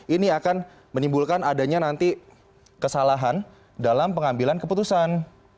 ini akan menimbulkan adanya nanti kesalahan dalam pengambilan keputusan